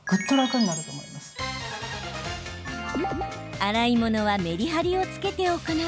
洗い物はメリハリをつけて行う。